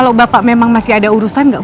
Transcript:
oh bapak udah disana